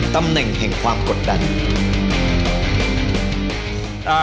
ตำแหน่งแห่งความกดดัน